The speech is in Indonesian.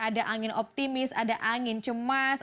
ada angin optimis ada angin cemas